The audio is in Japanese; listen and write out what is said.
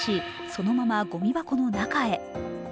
そのままごみ箱の中へ。